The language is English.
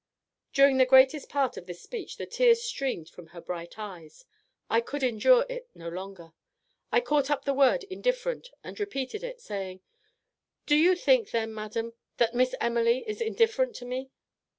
"During the greatest part of this speech the tears streamed from her bright eyes. I could endure it no longer. I caught up the word indifferent, and repeated it, saying, Do you think then, madam, that Miss Emily is indifferent to me?